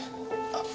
あっ。